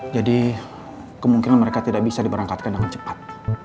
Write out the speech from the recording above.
jadi kemungkinan mereka tidak bisa diberangkatkan dengan cepat